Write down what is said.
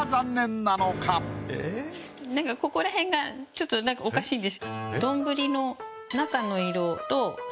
なんかここら辺がちょっとおかしいんです。